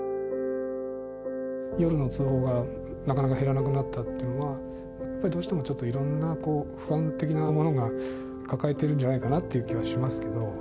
夜の通報がなかなか減らなくなったっていうのはやっぱりどうしてもちょっといろんなこう不安的なものが抱えてるんじゃないかなっていう気はしますけど。